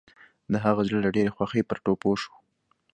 د هغه زړه له ډېرې خوښۍ پر ټوپو شو.